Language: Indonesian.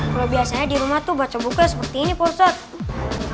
kalau biasanya di rumah tuh baca buka seperti ini pulsat